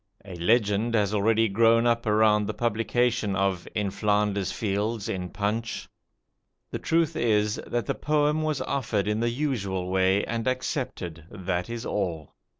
A legend has already grown up around the publication of "In Flanders Fields" in 'Punch'. The truth is, "that the poem was offered in the usual way and accepted; that is all."